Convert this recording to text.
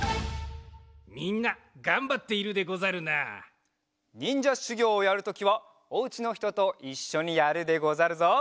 みんながんばっているでござるな。にんじゃしゅぎょうをやるときはおうちのひとといっしょにやるでござるぞ。